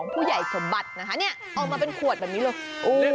๖๒๙๒ผู้ใหญ่สมบัติเอามาเป็นขวดแบบนี้เลย